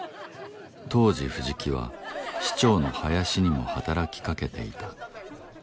当時藤木は市長の林にも働きかけていた